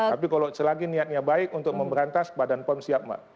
tapi kalau selagi niatnya baik untuk memberantas badan pom siap mbak